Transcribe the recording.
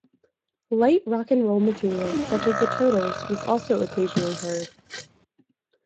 Light rock'n'roll material such as the Turtles was also occasionally heard.